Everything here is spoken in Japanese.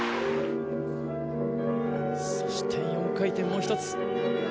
そして４回転もう一つ。